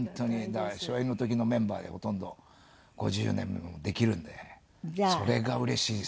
初演の時のメンバーでほとんど５０年目もできるんでそれがうれしいですね。